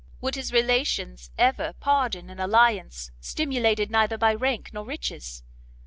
Would his relations ever pardon an alliance stimulated neither by rank nor riches?